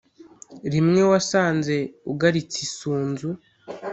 rimwe wasanze ugaritse isunzu.